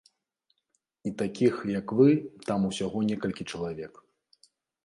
І такіх, як вы там усяго некалькі чалавек.